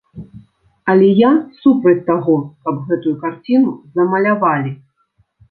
Але я супраць таго, каб гэтую карціну замалявалі.